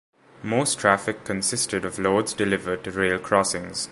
Most traffic consisted of loads delivered to rail crossings.